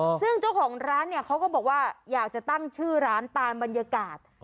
ซึ่งเจ้าของร้านเนี่ยเขาก็บอกว่าอยากจะตั้งชื่อร้านตามบรรยากาศ